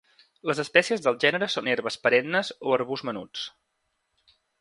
Les espècies del gènere són herbes perennes o arbusts menuts.